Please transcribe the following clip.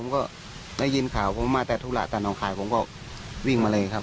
เขาอยู่ตรงนี้